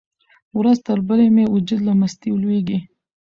ورځ تر بلې مې وجود له مستۍ لویږي.